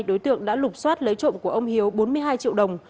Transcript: đối tượng đã lục xoát lấy trộm của ông hiếu bốn mươi hai triệu đồng